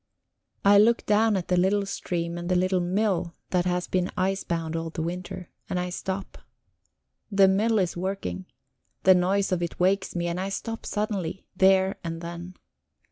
I look down at the little stream and the little mill that has been icebound all the winter, and I stop. The mill is working; the noise of it wakes me, and I stop suddenly, there and then.